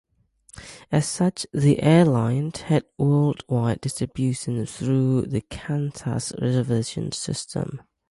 As such, the airline had worldwide distribution through the Qantas reservation system.